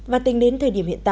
và tính đến thời điểm hiện tại